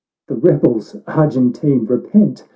" The rebels, Argentine, repent